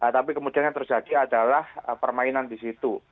tapi kemudian yang terjadi adalah permainan di situ